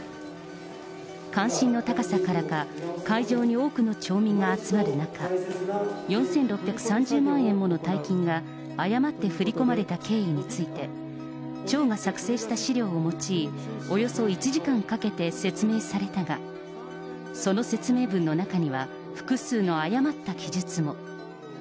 関心の高さからか、会場に多くの町民が集まる中、４６３０万円もの大金が、誤って振り込まれた経緯について、町が作成した資料を用い、およそ１時間かけて説明されたが、その説明文の中には、複数の誤った記述も。